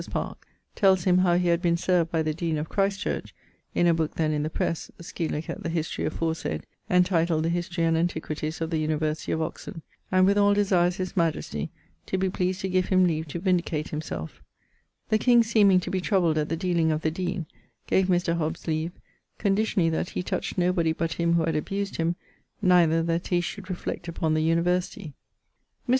In the meane time Mr. Hobbes meetes with the king in the Pall mall, in St. James's parke; tells him how he had been served by the deane of Christ Church, in a booke then in the presse (scilicet the 'History' aforesayd), intituled the History and Antiquities of the Universitie of Oxon, and withall desires his majestie to be pleased to give him leave to vindicate himselfe. The king seeming to be troubled at the dealing of the deane, gave Mr. Hobbes leave, conditionally that he touch no body but him who had abused him, neither that he should reflect upon the Universitie. Mr.